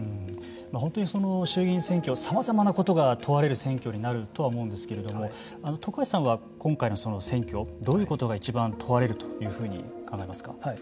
本当に衆議院選挙さまざまなことが問われる選挙になると思うんですけれども徳橋さんは今回の選挙どういうことがいちばん問われると考えますか。